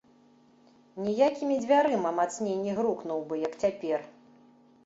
Ніякімі дзвярыма мацней не грукнуў бы, як цяпер.